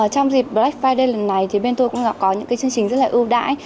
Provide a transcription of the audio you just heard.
trong dịp black friday lần này thì bên tôi cũng có những cái chương trình rất là ưu đãi